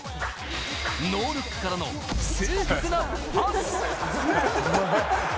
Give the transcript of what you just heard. ノールックからの正確なパス！